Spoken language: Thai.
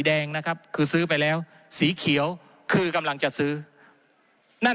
แดงนะครับคือซื้อไปแล้วสีเขียวคือกำลังจะซื้อนั่น